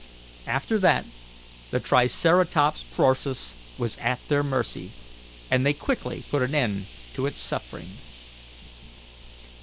After that the Triceratops prorsus was at their mercy, and they quickly put an end to its suffering.